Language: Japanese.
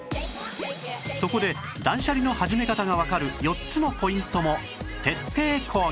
そこで断捨離の始め方がわかる４つのポイントも徹底講義